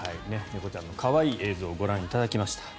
猫ちゃんの可愛い映像ご覧いただきました。